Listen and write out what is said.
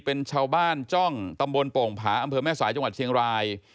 เป็นชาวบ้านจ้องตำบลโป่งผาอำเภอแม่สายจังหวัดเชียงราย